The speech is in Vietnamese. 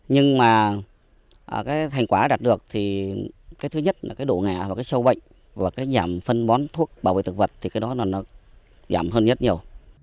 nhưng mà thành quả đạt được thứ nhất là độ ngạ và sâu bệnh và giảm phân bón thuốc bảo vệ thực vật thì cái đó giảm hơn nhất nhiều